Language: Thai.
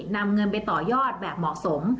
นำเงินไปต่อยอดแบบเหมาะสม